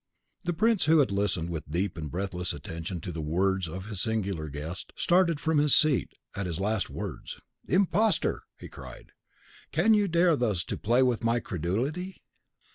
The prince, who had listened with deep and breathless attention to the words of his singular guest, started from his seat at his last words. "Imposter!" he cried, "can you dare thus to play with my credulity?